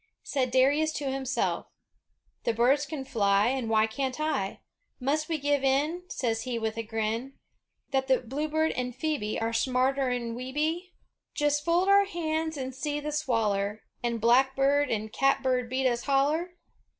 Said Darius to himself: "The birds can fly an* why can't I? Must we give in," says he with a grin, "That the bluebird an' phoebe Are smarter'n we be? 254 OTHER FAMOUS INVENTORS OF TO DAY Jest fold our hands an' see the swaller An' blackbird an' catbird beat us holler?